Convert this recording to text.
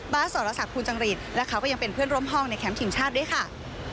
บ้านสรษะภูนย์จังหรีดและเค้าก็ยังเป็นเพื่อนร่มห้องในแคมป์ทีมชาติด้วยค่ะ